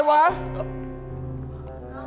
ของวันนั่น